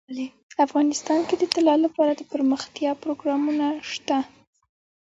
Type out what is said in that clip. افغانستان کې د طلا لپاره دپرمختیا پروګرامونه شته.